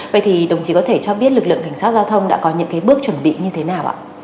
vậy thì đồng chí có thể cho biết lực lượng cảnh sát giao thông đã có những bước chuẩn bị như thế nào ạ